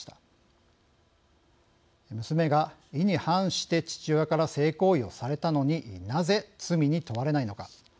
娘が意に反して父親から性行為をされたのになぜ罪に問われないのか。